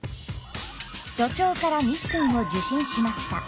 所長からミッションを受信しました。